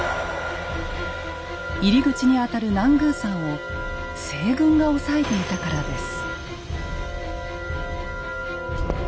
入り口にあたる南宮山を西軍が押さえていたからです。